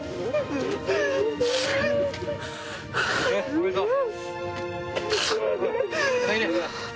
・おめでとう。